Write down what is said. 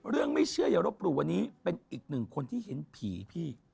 ไม่เชื่ออย่ารบหลู่วันนี้เป็นอีกหนึ่งคนที่เห็นผีพี่